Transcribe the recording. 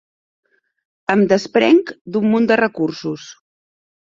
Em desprenc d'un munt de recursos.